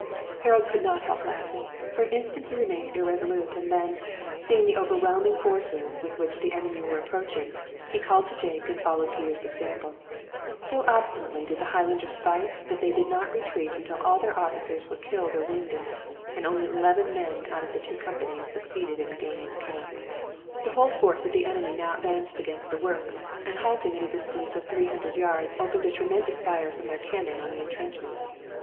Harold could not help laughing. For an instant he remained irresolute, and then, seeing the overwhelming forces with which the enemy were approaching, he called to Jake and followed Peter's example. So obstinately did the Highlanders fight that they did not retreat until all their officers were killed or wounded, and only 11 men out of the two companies succeeded in regaining the camp. The whole force of the enemy now advanced against the works, and halting at a distance of three hundred yards opened a tremendous fire from their cannon on the intrenchments.